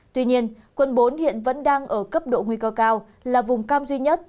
tuy nhiên quận bốn hiện vẫn đang ở cấp độ nguy cơ cao là vùng cam duy nhất